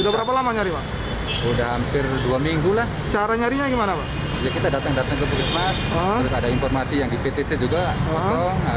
kita datang datang ke puskesmas terus ada informasi yang di btc juga kosong